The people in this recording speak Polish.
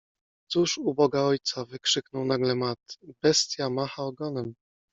Cóż u Boga Ojca! - wykrzyknął nagle Matt. - Bestia macha ogonem!